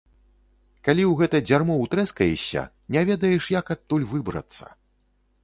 Калі ў гэта дзярмо утрэскаешся, не ведаеш, як адтуль выбрацца.